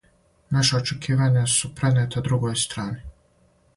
Наша очекивања су пренета другој страни.